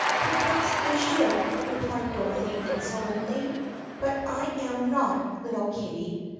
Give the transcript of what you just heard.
"Perhaps I should," replied Dorothy insolently, "but I am not, little kitty."